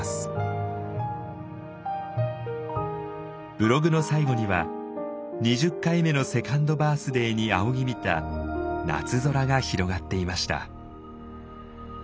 ブログの最後には２０回目のセカンドバースデーに仰ぎ見た夏空が広がっていました。